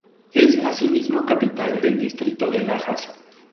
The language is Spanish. Es asimismo capital del distrito de Lajas.